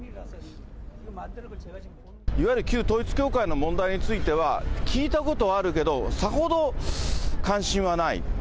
いわゆる旧統一教会の問題については、聞いたことあるけど、さほど関心はない。